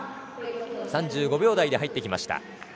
３５秒台で入ってきました。